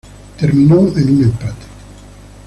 Terminó en un empate.